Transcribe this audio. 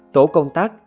tổ công tác